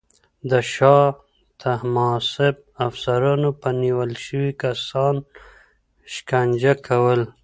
د شاه طهماسب افسرانو به نیول شوي کسان شکنجه کول.